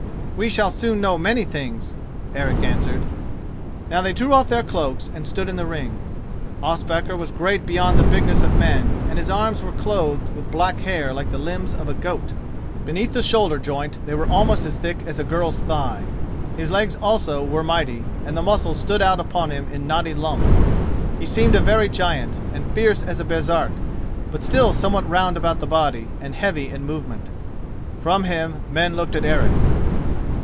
"We shall soon know many things," Eric answered. Now they drew off their cloaks and stood in the ring. Ospakar was great beyond the bigness of men and his arms were clothed with black hair like the limbs of a goat. Beneath the shoulder joint they were almost as thick as a girl's thigh. His legs also were mighty, and the muscles stood out upon him in knotty lumps. He seemed a very giant, and fierce as a Baresark, but still somewhat round about the body and heavy in movement. From him men looked at Eric.